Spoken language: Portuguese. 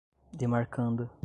demarcanda